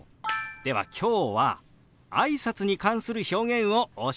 では今日はあいさつに関する表現をお教えしましょう。